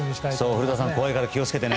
古田さん怖いから気をつけてね。